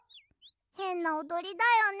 へんなおどりだよね。